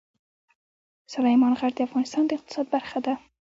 سلیمان غر د افغانستان د اقتصاد برخه ده.